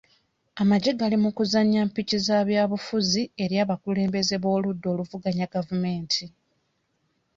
Amagye gali mu kuzannya mpiki za byabufuzi eri abakulembeze b'oludda oluvuganya gavumenti.